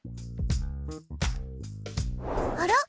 あら？